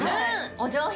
お上品。